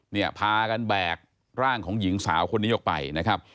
เนี่ยพากันแบกร่างของหญิงสาวคนนี้ออกไปนะครับ